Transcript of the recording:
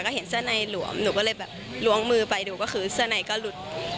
ก็เห็นเสื้อในหลวมหนูก็เลยแบบล้วงมือไปดูก็คือเสื้อในก็หลุด